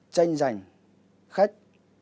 chanh giành khách